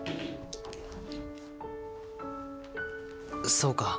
そうか。